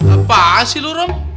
apaan sih lu rum